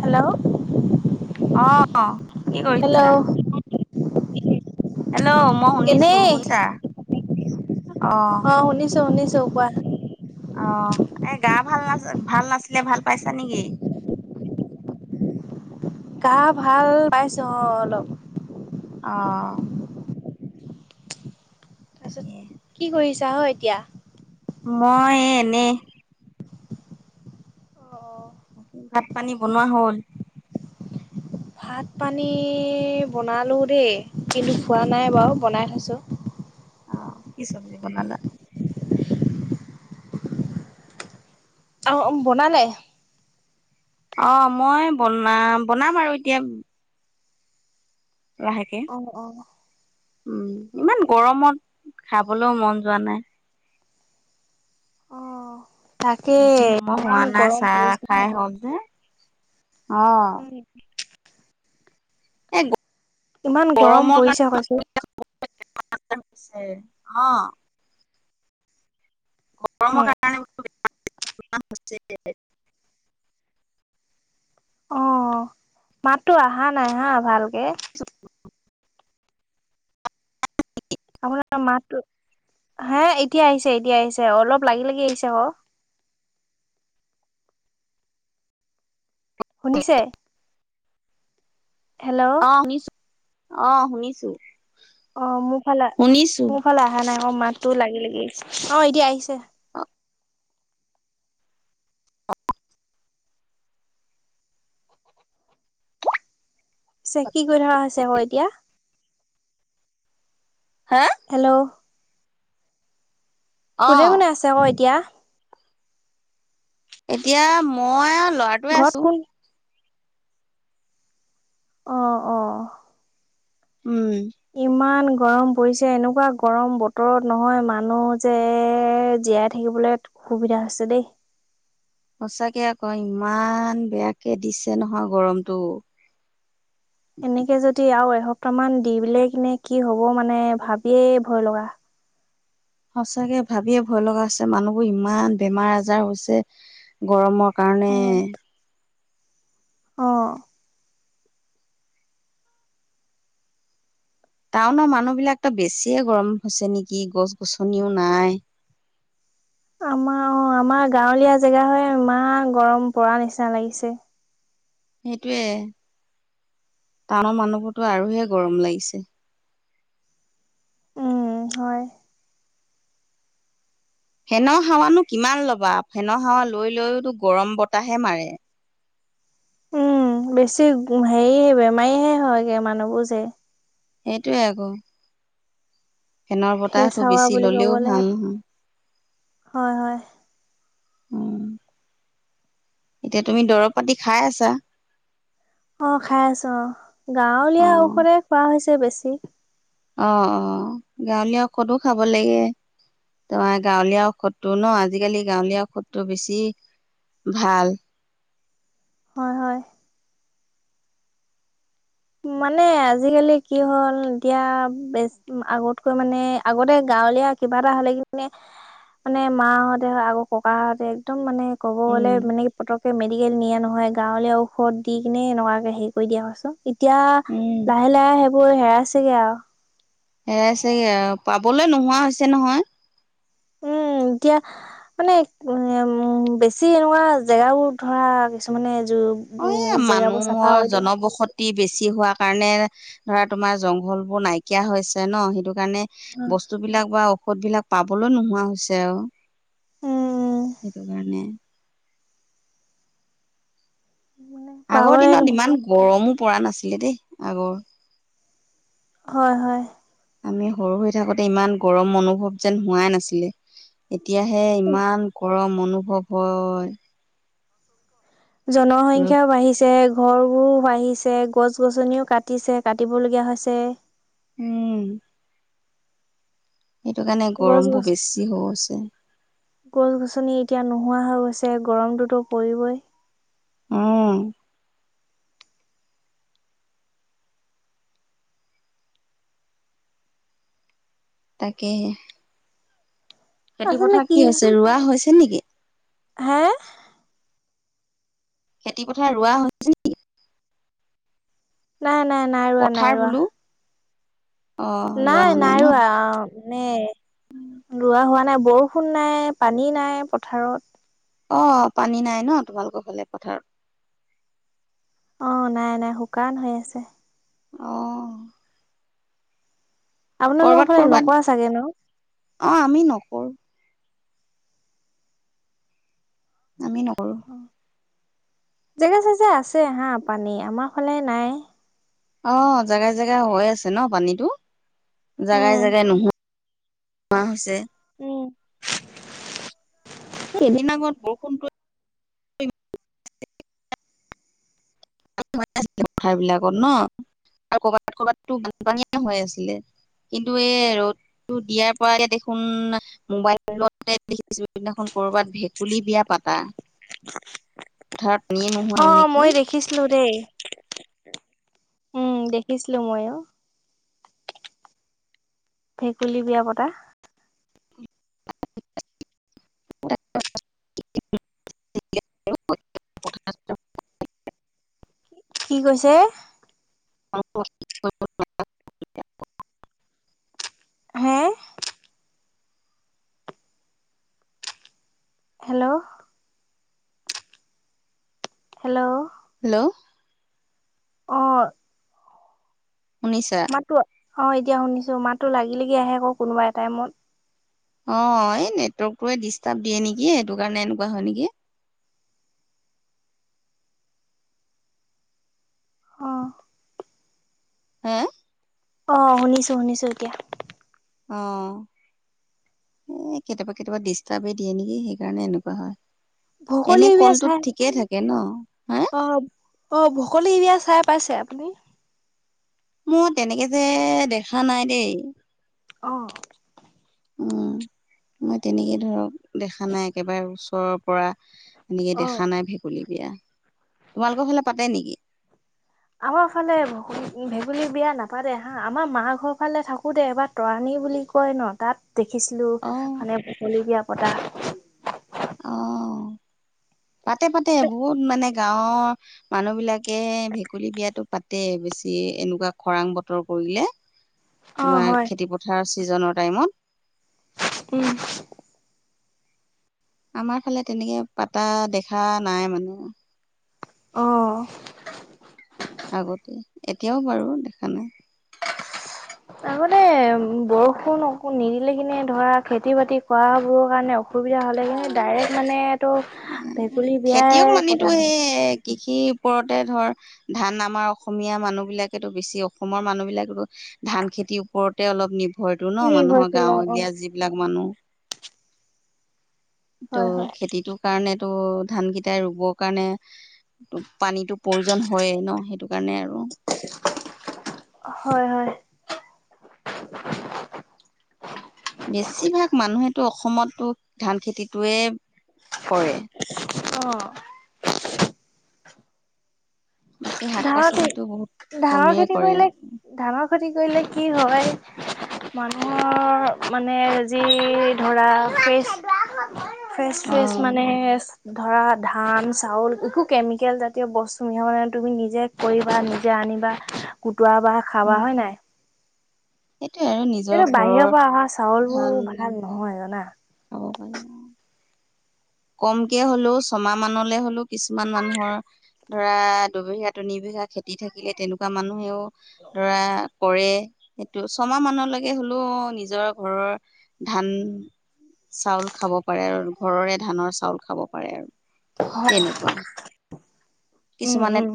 Hello অ'। কি hello কৰিছা? হেল্ল' মই শুনিছোঁ, এনেই শুনিছা? অ', শুনিছোঁ, শুনিছোঁ কোৱা। অ', এ গা ভাল না- ভাল নাছিলে ভাল পাইছা নেকি? গা ভাল পাইছোঁ, অ' অলপ। অ'। তাৰপিছত তাকে কি কৰিছা অ' এতিয়া? মই, এ এনেই। অ' ভাত পানী বনোৱা হ'ল। ভাত পানী বনালোঁ দেই কিন্তু খোৱা নাই বাৰু বনাই থৈছোঁ। অ', কি চব্জি বনালা? অ' বনালে অ', মই বনা- বনাম আৰু এতিয়া। লাহেকে, অ অ উম, ইমান গৰমত খাবলৈও মন যোৱা নাই। অ তাকে বেছি সময় হোৱা ইমান নাই গৰম চাহ পৰিছে খাই হল যে অ'। উম এই ইমান গৰম গৰমৰ পৰিছে কৈছো কাৰণে [unintelligible] অ'। গৰমৰ কাৰণে [unintelligible] অ মাততো অহা নাই হা ভালকে। [unintelligible] [unintelligible] আপোনাৰ মাতটো, হে এতিয়া আহিছে এতিয়া আহিছে অলপ লাগি লাগি আহিছে হ'। শুনিছে হেল্ল' অ' শুনিছ, অ' শুনিছোঁ। অ' মোৰ ফালে মোৰ ফালে অহা নাই অ' মাতটো লাগি লাগি আহিছে অ' এতিয়া আহিছে। পিছে কি কৰি কথা হৈছে আৰু এতিয়া? হা? হেল্ল'। অ কোনে কোনে আছে আকৌ এতিয়া? এতিয়া মই আৰু ল ঘৰত কোন অ', অ'। উম। ইমান গৰম পৰিছে এনেকুৱা গৰম বতৰত নহয় মানুহ যে জীয়াই থা থাকিবলৈ সুবিধা হৈছে দেই। সঁচাকে আকৌ ইমান বেয়াকে দিছে নহয় গৰমটো। এনেকে যদি আৰু এসপ্তাহ মান দিবিলে কিনে কি হ'ব মানে ভাবিয়েই ভয় লগা। সঁচাকে ভাবিয়ে ভয় লগা হৈছে মানুহবোৰ ইমান বেমাৰ আজাৰ হৈছে। গৰমৰ কাৰণে। অ অ'। টাউনৰ মানুহবিলাকতো বেছিয়ে গৰম হৈছে নেকি গছ গছনিও নাই। আমাৰ অ' আমাৰ গাঁৱলীয়া জেগা হয় ইমান গৰম পৰা নিচিনা লাগিছে। সেইটোৱে, টাউনৰ মানুহবোৰতো আৰুহে গৰম লাগিছে। উম হয়। ফেনৰ হাৱানো কিমান ল'বা ফেনৰ হাৱা লৈ লৈওতো গৰম বতাহে মাৰে। উম, বেছি হেৰি বেমাৰীহে হয়গে মানুহবোৰ যে। সেইটোৱে আকৌ। ফেনৰ বতাহটো ফেচহাৱা বেছি বুলি ল'লেও ক'বলে ভাল নহয়। হয় হয়। উম। এতিয়া তুমি দৰৱ পাতি খাই আছা। অ' খাই আছোঁ অ' অ গাঁৱলীয়া ঔষধে খোৱা হৈছে বেছি। অ', অ', গাঁৱলীয়া ক'তো খাব লাগে। তোমাৰ গাঁৱলীয়া ঔষধটো ন' আজিকালি গাঁৱলীয়া ঔষধটো বেছি, ভাল। হয় হয়। মানে আজিকালি কি হ'ল এতিয়া বে আগতকৈ মানে আগতে গাঁৱলীয়া কিবা এটা হ'লে কিনে, মানে মাহঁতে আকৌ ককাহঁতে একদম মানে ক'ব গ'লে উম মানে পতককে মেদি [unintelligible] নহয় গাঁৱলীয়া ঔষধ দি কিনে এনেকুৱাকে হেৰি কৰি দিয়া [unintelligible] এতিয়া, উম লাহে লাহে সেইবোৰ হেৰাইছেগে আৰু। হেৰাইছেগে আৰু পাবলৈ নোহোৱা হৈছে নহয়। উম, এতিয়া মানে [unintelligible] বেছি এনেকুৱা জেগাবোৰ ধৰা কিছুমানে এ, জেগাবোৰ চাফা মানুহৰ কৰি দিয়ে জনবসত [unintelligible] বেছি হোৱা কাৰণে ধৰা তোমাৰ জংঘলবোৰ নাইকিয়া হৈছ [unintelligible] ন' সেইটো কাৰণে বস্তুবিলাক বা ঔষধ বিলাক পাবলৈ নোহোৱা হৈছে আৰু, উম সেইটো কাৰণে। আগৰ পাবই দিনত ইমান গৰমো পৰা নাছিলে দেই আগৰ। হয় হয়। আমি সৰু হৈ থাকোতে ইমান গৰম অনুভৱ যেন হোৱাই নাছিলে। এতিয়াহে ইমান গৰম অনুভৱ হয়। ৰ'দ জনসংখ্যাও বাঢ়িছে ঘৰবোৰো বাঢ়িছে গছ গছনিও কাটিছে কাটিবলগীয়া হৈছে উম, সেইটো কাৰণে গছ গৰমবোৰ গছ বেছি হৈ আছে গছ গছনি এতিয়া নোহোৱা হৈ গৈছে গৰমটোতো পৰিবই উম, তাকে হে খেতি পথাৰ কি হৈছে, ৰুৱা হৈছে নেকি? হাঁ? খেতি পথাৰ ৰুৱা হৈছে [unintelligible] নাই - নাই - নাই ৰুৱা, পথাৰ নাই ৰুৱা। বোলো অ ৰোৱা নাই হোৱা - নাই ন ৰুৱা অ', নে ৰুৱা হোৱা নাই, বৰষুণ নাই, পানী নাই পথাৰত অ', পানী নাই ন' তোমালোকৰ ফালে পথাৰত। অ', নাই নাই শুকান হৈ আছে। অ', আপোনালোকৰ কৰবাত ফালে কৰবাত নকোৰা চাগে ন? অ', আমি নকৰোঁ। আমি নকৰোঁ। জেগা চেগা আছে হা পানী আমাৰ ফালে নাই। অ', জেগাই জেগাই হৈ আছে ন' পানীতো, জেগাই উম, জেগাই নোহোৱা মাহ হৈছে উম, এদিন আগত বৰষুণটো [unintelligible] পথাৰ বিলাকত ন' আৰু কৰবাত কৰবাতো বানপানীয়ে হৈ আছিলে। কিন্তু এই ৰ'দটো দিয়াৰ পৰা দেখোন মোবাইলতে দেখিছো সেইদিনাখন কৰবাত ভেকুলী বিয়া পাতা। পঠাৰত পানীয়ে নোহাৱা হ'ল নেকি? দেখিছিলোঁ দেই উম, দেখিছিলোঁ ময়ো। ভেকুলী বিয়া পতা। [inaudible] [inaudible] কি কৈছে? [inaudible] [inaudible] হে? হেল্ল' হেল্ল' হেল্ল' অ', শুনিছা? অ', এতিয়া শুনিছোঁ মাতো লাগি লাগি আহে আকৌ কোনোবা এ টাইমত। অ', এই নেটৱৰ্ক টোৱে ডিষ্টাৰ্ব দিয়ে নেকি, সেইটো কাৰণে এনেকুৱা হয় নেকি। অ হে? অ', শুনিছোঁ শুনিছোঁ এতিয়া। অ', এ কেতিয়াবা কেতিয়াবা ডিষ্টাৰ্বেই দিয়ে নেকি, সেইকাৰণে এনেকুৱা হয়। ভকলী এনেই বিয়া কলটোত চাই ঠিকেই থাকে ন? হা অ', অ', অ, ভকলি বিয়া চাই পাইছে আপুনি? মোৰ তেনেকে যে দেখা নাই দেই। অ'। উম, মই তেনেকেই ধৰক দেখা নাই একেবাৰে ওচৰৰ পৰা। এনেকে অ দেখা নাই ভেকুলী বিয়া। তোমালোকৰ ফাললে পাতে নেকি? আমাৰ ফালে ভেকুলীৰ বিয়া নাপাতে হা। আমাৰ মা ঘৰ ফালে থাকো দে এবাৰ তৰাণী বুলি কয় ন তাত দেখিছিলোঁ অ', মানে ভেকুলী বিয়া পতা। অ', পাতে পাতে বহুত মানে গাঁৱৰ মানুহবিলাক তাকে ভেকুলী বিয়াতো পাতে বেছি এনেকুৱা খৰাং বতৰ কৰিলে। অ তোমাৰ হয় খেতিপথাৰ ছিজনৰ টাইমত। উম। আমাৰ ফালে তেনেকে পাতা দেখা নাই মানে। অহ। আগতে এতিয়াও বাৰু দেখা নাই। তাৰমানে বৰষুণ অ' নিদিলে কিনে ধৰা খেতি বাতি কৰা বোৰৰ কাৰণে অসুবিধা হ'লে কিন্তু ডাইৰেক্ট মানেটো অ', ভেকুলী খেতিয়ক বিয়াই মানেতো পতা হয়। সেই কৃষিৰ ওপৰতে ধৰ ধান আমাৰ অসমীয়া মানুহ বিলাকেতো বেছি অসমৰ মানুহবিলাকো ধান খেতিৰ ওপৰতে অলপ নিৰ্ভৰটো ন নি মানুহৰ গৈছিল অ অ গাঁৱলীয়া যিবিলাক মানুহ। ত' হয় হয় খেতিটোৰ কাৰণেতো ধান কেইটাই ৰোবৰ কাৰণে। ত পানীতো প্ৰয়োজন হয়ে ন সেইটো কাৰণে আৰু। হয়, হয়। বেছিভাগ মানুহেতটো অসমতো ধান খেতিটোয়ে কৰে। অ'। বাকী শাক ধানৰ খতি পাচলিতো বহুত ধানৰ কমেই খেতি কৰে কৰিলে ধানৰ খেতি কৰিলে কি হয়। মানুহৰ মানে যি ধৰা ফেচ ফ্ৰেচ অ ফ্ৰেছ মানে ধৰা ধান চাউল একো কেমিকেল জাতীয় বস্তু মিহলাই মানে তুমি নিজে কৰিবা নিজে আনিবা কুটোৱা বা খাবা উম, হয় নাই। সেইটোয়ে আৰু নিজৰ এইটো বাহিৰৰ ঘৰৰ পৰা অহা চাউলবোৰ ধান ভাল [inaudible] [inaudible] কমকে হ'লেও ছমাহ মানলৈ হ'লেও কিছুমান মানুহৰ ধৰা দুবিহীয়া তিন বিঘা খেতি থাকিলে তেনেকুৱা মানুহেও ধৰা কৰে। সেইটো ছমাহ মানলৈকে হ'লেও নিজৰ ঘৰৰ ধান চাউল খাব পাৰে আৰু ঘৰৰে ধানৰ চাউল খাব পাৰে আৰু হয়। তেনেকুৱা। উম কিছুমানে উম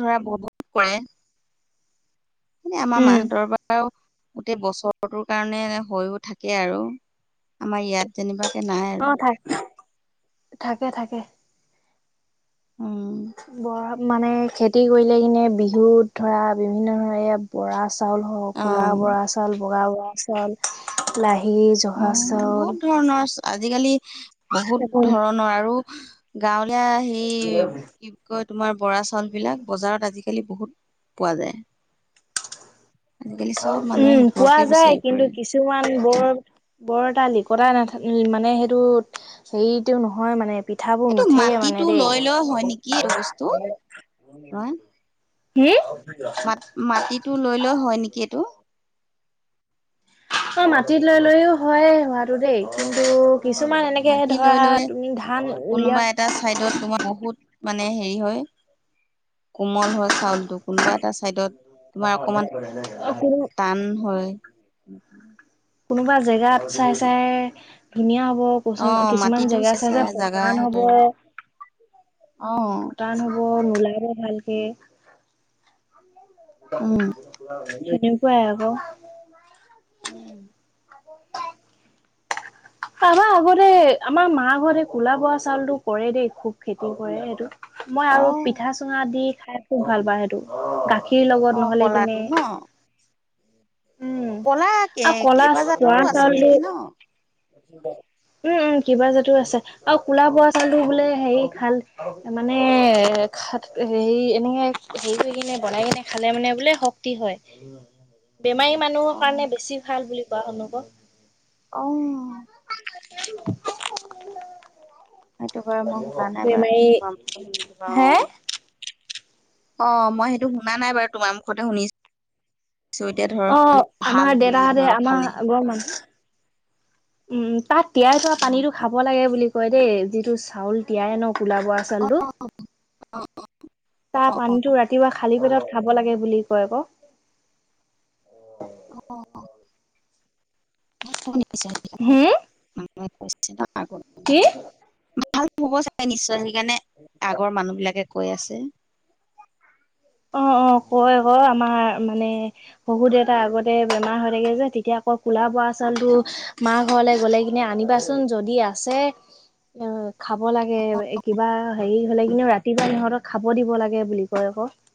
ধৰা বহুত কৰে। এনে আমাৰ উম মাহতৰ বাৰু গোটেই বছৰটোৰ কাৰণে হৈও থাকে আৰু আমাৰ ইয়াত যেনিবাকে নাই আৰু। হয়। থাকে থাকে। উম। বৰা মানে খেতি কৰিলে কিনে বিহুত ধৰা বিভিন্ন ধৰণে বৰা চাউল হওক কোলা অ বৰা চউল বগা বৰা চাউল লাহি জহা অ', বহুত চাউল ধৰণৰ আজিকালি বহুত ধৰণৰ আৰু গাঁৱলীয়া সেই কি কয় তোমাৰ বৰা চাউলবিলাক বজাৰত আজিকালি বহুত পোৱা যায়। আজিকালি চব মানুহে উম, পোৱা সেইবোৰকে যায় বিচাৰি কিন্তু ফুৰে কিছুমান বৰ বৰ এটা লিকতাই নাথাকে মানে সেইটো হেৰিতও নহয় মানে। পিঠাবোৰ এইটো নুঠেগে মানে মাটিটো দেই। লৈ লৈ হয় নেকি এইটো বস্তু তোমাৰ হম? মাটিটো লৈ লৈ হয় নেকি এইটো। অ', মাটিত লৈ লৈও হয় হোৱাতটো দেই। কিন্তু অ কিছুমান এনেকে মাটি ধৰা লৈ লৈ তুমি ধান উলিয়া কোনোবা এটা চাইডত তোমাৰ বহুত মানে হেৰি হয়। কোমল হয় চাউল টো কোনোবা এটা চাইডত। তোমাৰ অকমান অ' টান হয়। [inaudible] কোনোবা জেগাত চাই চাই ধুনীয়া হ'ব। অ কিছুমান মাটিটো জেগা চাই চাই জাগা পতান হ'ব সেইটো আৰু অ উম, পতান হব। নোলাব ভালকে। উম তেনেকুৱাই আকৌ। উম। তাবাৰ আগতে আমাৰ মা হতে কোলা বৰা চাউলটো কৰে দেই খুব খেতি কৰে সেইটো। মই অ আৰু পিঠা চুঙা দি খাই খুব ভাল পাওঁ সেইটো গাখীৰ অ লগত নহলে কিনে। কলাটো ন উম, কলা কে আৰু কলা কেইবা জাতৰো বৰা আছে চাউল নেকি ন উম, উম, কিবা যে তোৰ আছে। আৰু ক'লা বৰা চাউলটো বোলে হেৰি খাল মানে হেৰি এনেকে হেৰি কৰি কিনে বনাই কিনে খালে মানে বোলে শক্তি হয়। বেমাৰী মানুহৰ অ কাৰণে বেছি ভাল বুলি কোৱা শুনো আকৌ। অ'। [inaudible] সেইটো বাৰু মই শুনা নাই বাৰু বেমাৰী কি [unintelligible] শুনিলো বাৰু হে অ'। অ', মই সেইটো শুনা নাইাৰু তোমাৰ মুখতহে শুনিছোঁ। এতিয়া অ ধৰক ম আমাৰ ভাল বুলি দেউতাহঁতে ধৰক আমাৰ খালে সেইটো আগৰ মানুহ কাৰণে। উম, তাত তিয়াই থোৱা অ পানীটো খাব লাগে বুলি কয় দেই যিটো চাউল তিয়াই ন কলা বৰা চাউলটো। তাৰ অ পানীতটো ৰাতিপুৱা খালি পেটত খাব লাগে বুলি কয় আকৌ। অ'। হুম [unintelligible] কি? ভাল হব চাগে নিশ্চয় সেইকাৰণে আগৰ মানুহ বিলাকে কৈ আছে। অ', অ', কয় কয় আমাৰ মানে শহু দেউতাৰ আগতে বেমাৰ হৈ থাকে যে তেতিয়া আকৌ কোলা বৰা চালতটো মা ঘৰলৈ গ'লে কিনে আনিবাচোন যদি আছে। অ', খাব লাগে কিবা হেৰি হলে কিন্তু ৰাতি ৰাতিবা ইহঁতক খাব দিব লাগে বুলি কয় আকৌ।